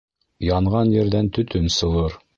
Янған ерҙән төтөн сығыр.